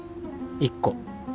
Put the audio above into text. １個。